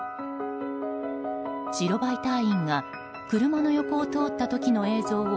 白バイ隊員が車の横を通った時の映像を